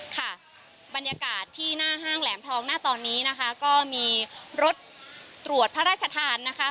ค่ะบรรยากาศที่หน้าห้างแหลมทองหน้าตอนนี้นะคะก็มีรถตรวจพระราชทานนะคะ